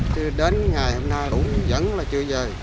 chứ đến ngày hôm nay cũng vẫn là chưa về